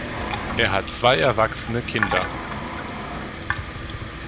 Er hat zwei erwachsene Kinder.